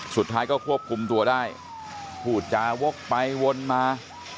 สุดท้ายก็ควบคุมตัวได้พูดจาวกไปวนมา